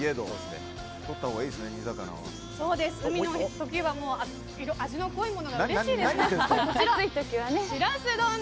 海では味が濃いものがうれしいです。